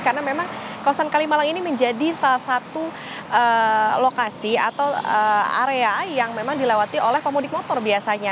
karena memang kawasan kalimalang ini menjadi salah satu lokasi atau area yang memang dilewati oleh pemudik motor biasanya